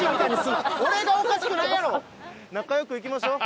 仲良くいきましょう。